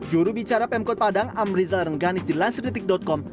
juru bicara pemkot padang amrizal rengganis di lanseretik com